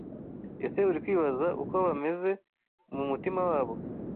Ese uri kwibaza uko bameze mu mutima wabo,